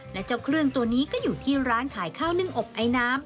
และเจ้าเครื่องตัวนี้ก็อยู่ที่ร้านขายข้าวนึ่งอบไอน้ำ